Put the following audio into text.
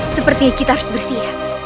sepertinya kita harus bersiap